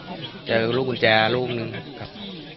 มีดำเบลมีกุญแจล็อคเจอลูกกุญแจลูกหนึ่งครับ